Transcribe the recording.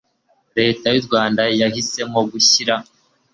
leta y'urwanda yahisemo gushyira